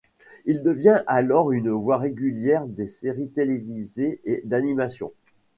Il devient alors une voix régulière des séries télévisées et d'animation.